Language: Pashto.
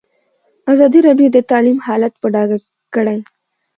ازادي راډیو د تعلیم حالت په ډاګه کړی.